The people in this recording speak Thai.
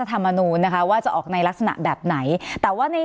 ธรรมนูลนะคะว่าจะออกในลักษณะแบบไหนแต่ว่าใน